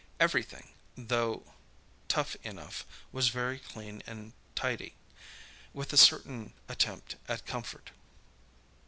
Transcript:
Everything, though tough enough, was very clean and tidy, with a certain attempt at comfort.